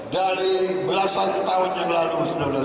dari belasan tahun yang lalu